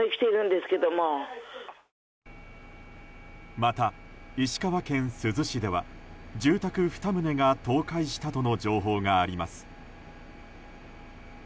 また石川県珠洲市では住宅２棟が倒壊したとの情報があります。